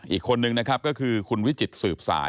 อีกคนนึงนะครับก็คือคุณวิจิตสืบสาย